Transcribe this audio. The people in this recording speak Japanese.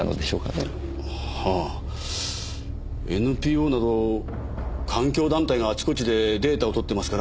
はぁＮＰＯなど環境団体があちこちでデータを取ってますから。